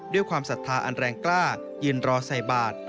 ความศรัทธาอันแรงกล้ายืนรอใส่บาท